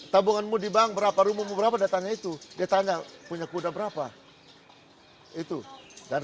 tapi kuda sandal asli yang ada di sumba